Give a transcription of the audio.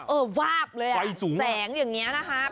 เออวาบเลยอ่ะแสงอย่างนี้นะคะไฟสูง